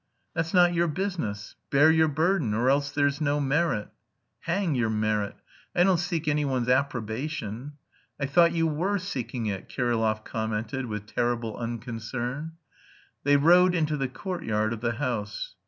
"That's not your business. Bear your burden. Or else there's no merit." "Hang your merit. I don't seek anyone's approbation." "I thought you were seeking it," Kirillov commented with terrible unconcern. They rode into the courtyard of the house.